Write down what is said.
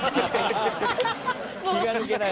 「気が抜けない。